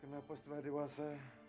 kenapa setelah dewasa